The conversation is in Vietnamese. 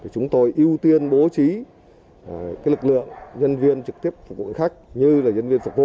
chúng tôi ưu tiên bố trí lực lượng nhân viên trực tiếp phục vụ khách như nhân viên phục vụ